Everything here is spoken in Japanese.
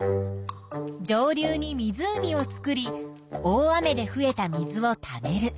上流に湖を作り大雨で増えた水をためる。